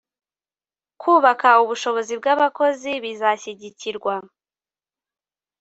kubaka ubushobozi bw'abakozi bizashyigikirwa